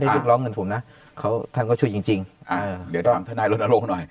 ได้ร้องเงินผมนะเขาท่านก็ช่วยจริงเดี๋ยวต้องถนัยลงหน่อย